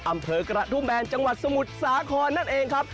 อำเภอกระทุ่มแบนจังหวัดสมุทรสาครนั่นเองครับ